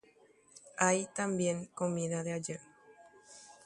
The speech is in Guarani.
Oĩ avei tembi'u ko'ẽngue